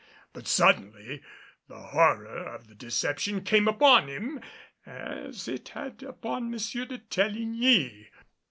But suddenly, the horror of the deception came upon him as it had upon M. de Teligny.